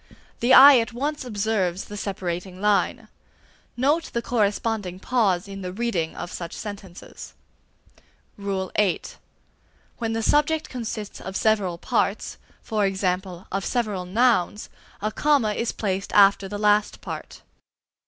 The eye at once observes the separating line. Note the corresponding pause in the reading of such sentences. VIII. When the subject consists of several parts, e.g., of several nouns, a comma is placed after the last part.